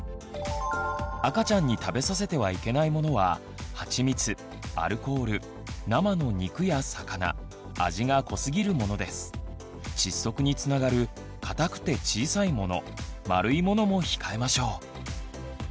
赤ちゃんに食べさせてはいけないものは窒息につながる硬くて小さいもの丸いものも控えましょう。